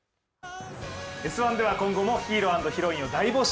「Ｓ☆１」では今後も「ヒーローアンドヒロイン」を大募集